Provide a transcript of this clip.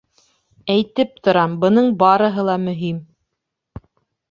Әйтеп торам, бының барыһы ла мөһим.